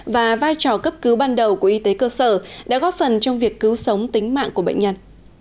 và vai trò cấp cứu ban đầu của y tế cơ sở đã góp phần trong việc cứu sống tính mạng của bệnh nhân